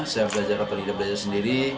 saya belajar otodidak belajar sendiri